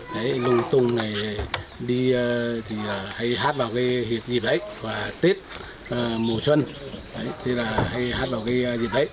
lùng tung này đi thì hay hát vào cái dịp đấy và tết mùa xuân hay hát vào cái dịp đấy